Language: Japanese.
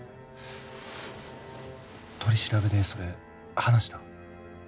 取り調べでそれ話した？